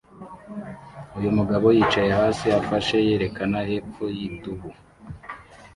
Uyu mugabo yicaye hasi afashe yerekana hepfo yidubu